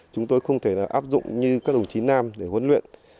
chúng tôi không thể áp dụng như các đồng chí nam để huấn luyện